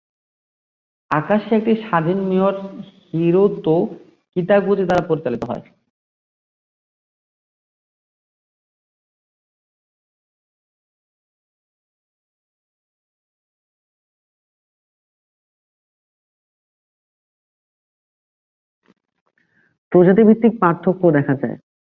প্রজাতিভিত্তিক পার্থক্যও দেখা যায়।